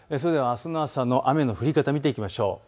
あすの朝の雨の降り方を見ていきましょう。